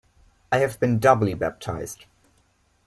I have been doubly baptized.